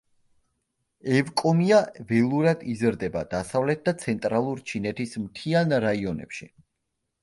ევკომია ველურად იზრდება დასავლეთ და ცენტრალურ ჩინეთის მთიან რაიონებში.